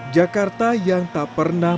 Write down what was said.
jakarta yang tak pernah